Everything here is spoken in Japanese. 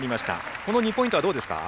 この２ポイントはどうですか。